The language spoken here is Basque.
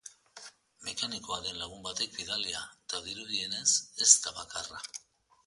Mekanikoa den lagun batek bidalia eta dirudienez ez da bakarra.